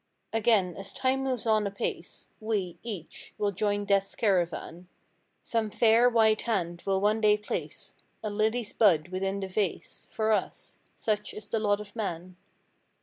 Again, as Time moves on apace We, each, will join Death's caravan. Some fair, white hand will one day place A lily's bud within the vase For us. Such is the lot of man!